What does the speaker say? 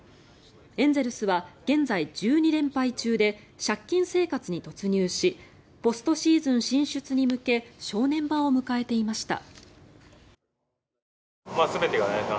エンゼルスは現在１２連敗中で借金生活に突入しポストシーズン進出に向け正念場を迎えていました。